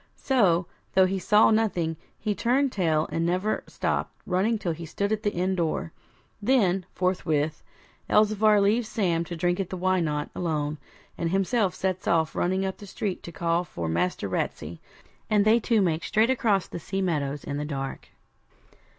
So, though he saw nothing, he turned tail and never stopped running till he stood at the inn door. Then, forthwith, Elzevir leaves Sam to drink at the Why Not? alone, and himself sets off running up the street to call for Master Ratsey; and they two make straight across the sea meadows in the dark.